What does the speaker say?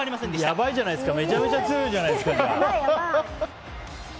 やばいじゃないですかめちゃめちゃ強いじゃないですか。